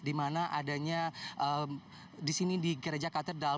di mana adanya di sini di gereja katedral